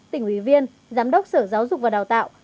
tỉnh ủy viên giám đốc sở giáo dục và đào tạo